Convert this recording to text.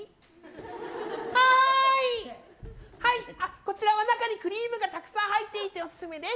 こちらは中にクリームがたくさん入っていてオススメです！